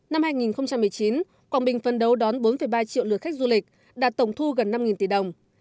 năm hai nghìn một mươi chín quảng bình phân đấu đón bốn ba triệu lượt khách du lịch đạt tổng thu gần năm tỷ đồng